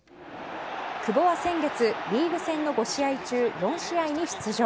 久保は先月リーグ戦の５試合中４試合に出場。